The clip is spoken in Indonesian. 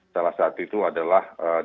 salah satu itu adalah dengan diterapkan masker